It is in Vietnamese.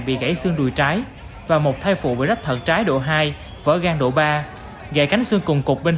bị gãy xương đùi trái và một thai phụ bị rách thận trái độ hai vỡ gan độ ba giải cánh xương cùng cục bên